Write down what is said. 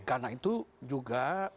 karena itu juga